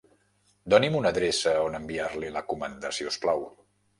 Doni'm una adreça a on enviar-li la comanda, si us plau.